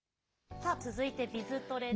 さあ、続いてはＢｉｚトレです。